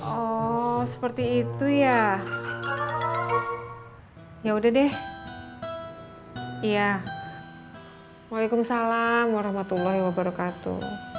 oh seperti itu ya ya udah deh iya waalaikumsalam warahmatullahi wabarakatuh